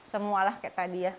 semualah kayak tadi ya